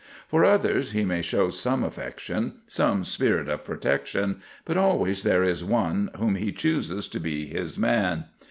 For others he may show some affection, some spirit of protection, but always there is one whom he chooses to be his man.